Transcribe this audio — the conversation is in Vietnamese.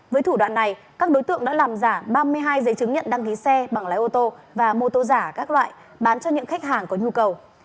với thủ đoạn này các đối tượng đã làm giả ba mươi hai giấy chứng nhận đăng ký xe bằng lái ô tô và mô tô giả các loại bán cho những khách hàng có nhu cầu